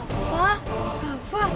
maksudnya apa yang dapet gitu